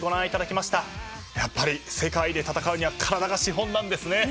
やっぱり世界で戦うには体が資本なんですね。